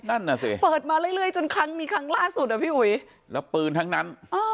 นั่นน่ะสิเปิดมาเรื่อยจนครั้งนี้ครั้งล่าสุดอ่ะพี่อุ๋ยแล้วปืนทั้งนั้น